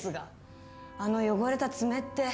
あの汚れた爪って。